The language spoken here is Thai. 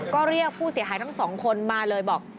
ก็เรียกผู้เสียหายทั้งสองคนมาเลยบอก